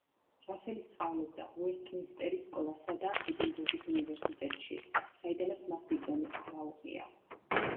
რასელი სწავლობდა უესტმინსტერის სკოლასა და ედინბურგის უნივერსიტეტში, საიდანაც მას დიპლომი არ აუღია.